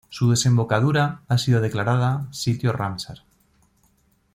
Su desembocadura ha sido declarada sitio Ramsar.